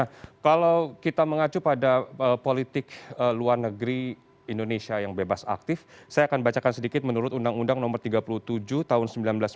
nah kalau kita mengacu pada politik luar negeri indonesia yang bebas aktif saya akan bacakan sedikit menurut undang undang nomor tiga puluh tujuh tahun seribu sembilan ratus sembilan puluh